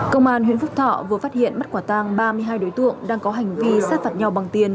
công an huyện phúc thọ vừa phát hiện bắt quả tang ba mươi hai đối tượng đang có hành vi sát phạt nhau bằng tiền